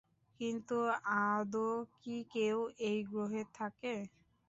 কিন্তু আদৌ কি কেউ এই গ্রহে থাকে?